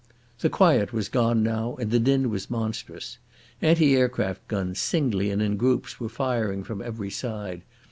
The quiet was gone now and the din was monstrous. Anti aircraft guns, singly and in groups, were firing from every side.